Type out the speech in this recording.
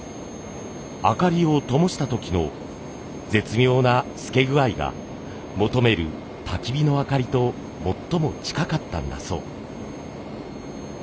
灯りをともした時の絶妙な透け具合が求めるたき火の灯りと最も近かったんだそう。